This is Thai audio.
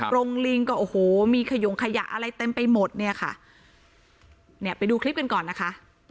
โรงลิงก็โอ้โหมีขยงขยะอะไรเต็มไปหมดเนี่ยค่ะ